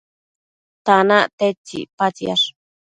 tanac tedtsi icpatsiash?